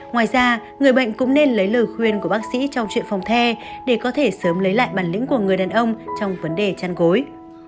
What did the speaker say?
ngoài ra người bệnh cũng nên lấy lời khuyên của bác sĩ trong chuyện phòng the để có thể sớm lấy lại bản lĩnh của người đàn ông trong vấn đề chăn gối